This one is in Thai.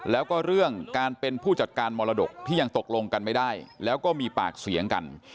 แล้วก็เรื่องการเป็นผู้จัดการมรดกที่ยังตกลงกันไม่ได้แล้วก็มีปากเสียงกัน